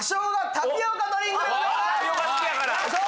タピオカ好きやからよいしょ！